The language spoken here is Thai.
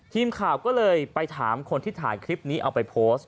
ทีมข่าวก็เลยไปถามคนที่ถ่ายคลิปนี้เอาไปโพสต์